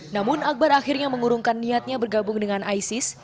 namun akbar akhirnya mengurungkan niatnya bergabung dengan isis